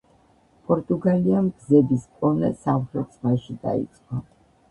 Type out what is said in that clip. პორტუგალიამ გზების პოვნა სამხრეთ ზღვაში დაიწყო.